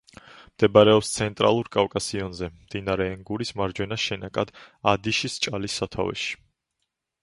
მდებარეობს ცენტრალურ კავკასიონზე, მდინარე ენგურის მარჯვენა შენაკად ადიშისჭალის სათავეში.